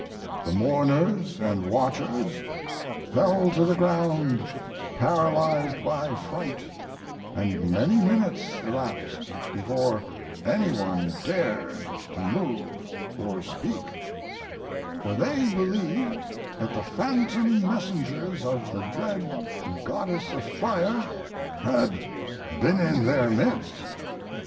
The mourners and watchers fell to the ground paralyzed by fright, and many minutes elapsed before any one dared to move or speak; for they believed that the phantom messengers of the dread Goddess of Fire had been in their midst.